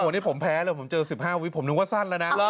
วันนี้ผมแพ้เลยผมเจอ๑๕วิผมนึกว่าสั้นแล้วนะ